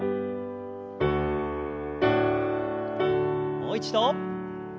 もう一度。